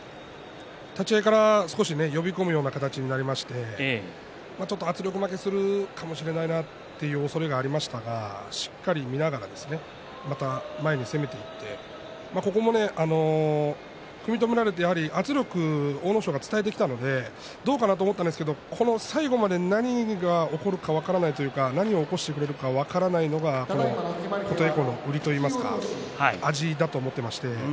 立ち合いから少し呼び込むような形になりまして圧力負けするかもしれないなというおそれがありましたが琴恵光はしっかり見ながら前に攻めたので、組み止められて阿武咲が圧力を伝えてきたのでどうかなと思ったんですが最後まで何が起こるか分からない何を起こしてくれるのか分からないのは琴恵光の味だと思っていました。